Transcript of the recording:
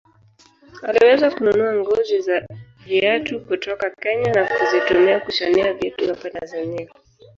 Aliweza kununua ngozi za viatu kutoka Kenya na kuzitumia kushonea viatu hapa Tanzania